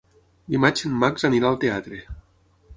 Dimarts en Max anirà al teatre.